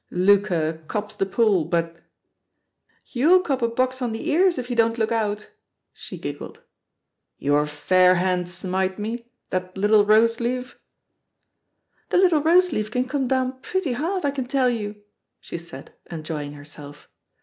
Lucre cops the pool, but ^" ^'YovfU cop a box on the ears if you don't look out," she giggled. THE POSITION OF PEGGY HARPER 161 ''Tour fair hand smite me, that little rose leaf r' "The little rose leaf can come down pretty; hard, I can tell you/' she said, enjoying herself.